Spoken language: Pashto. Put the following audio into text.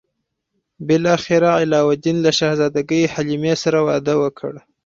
بالاخره علاوالدین له شهزادګۍ حلیمې سره واده وکړ.